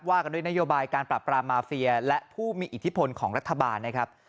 กันด้วยนโยบายการปรับปรามมาเฟียและผู้มีอิทธิพลของรัฐบาลนะครับ